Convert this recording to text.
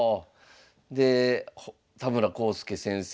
で田村康介先生。